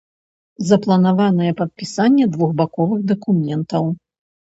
Запланаванае падпісанне двухбаковых дакументаў.